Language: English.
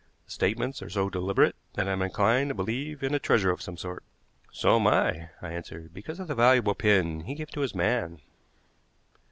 The statements are so deliberate that I am inclined to believe in a treasure of some sort." "So am I," I answered, "because of the valuable pin he gave to his man."